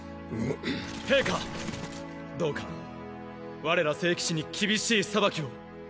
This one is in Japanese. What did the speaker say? どうか我ら聖騎士に厳しい裁きを。